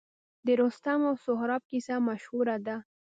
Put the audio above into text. د رستم او سهراب کیسه مشهوره ده